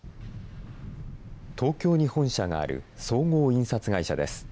東京に本社がある総合印刷会社です。